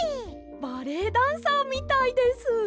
バレエダンサーみたいです。